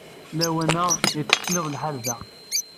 Lawan-a, yettismiḍ lḥal da.